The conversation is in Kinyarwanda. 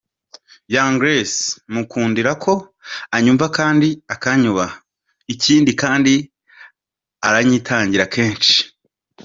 Young Grace : Mukundira ko anyumva kandi akanyubaha, ikindi kandi aranyitangira kenshi.